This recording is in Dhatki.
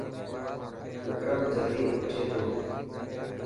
وڪرم جلدي اٺي ٿو.